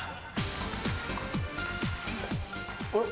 あれ？